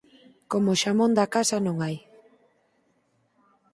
Como o xamón da casa non hai.